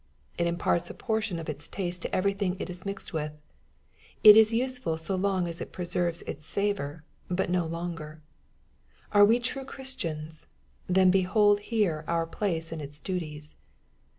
It imparts a portion of its taste to everything it is mixed with. It is useful so long as it preserves its savor, but no longer. Are we true Christians ? Then behold^here our place and its duties